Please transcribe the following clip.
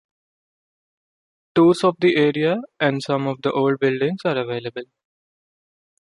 Tours of the area and some of the old buildings are available.